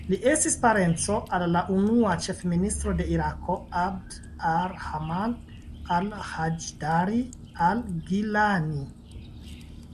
Li estis parenco al la unua ĉefministro de Irako, Abd ar-Rahman al-Hajdari al-Gillani.